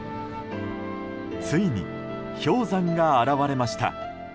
ついに氷山が現れました。